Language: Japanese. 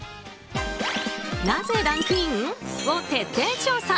なぜランクイン？を徹底調査。